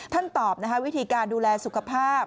ตอบวิธีการดูแลสุขภาพ